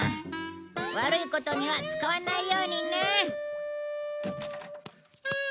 悪いことには使わないようにね。